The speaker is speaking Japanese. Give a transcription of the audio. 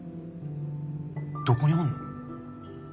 どこにおんの？